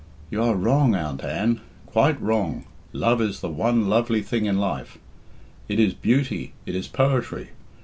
"You are wrong, Aunt Anne, quite wrong. Love is the one lovely thing in life. It is beauty, it is poetry.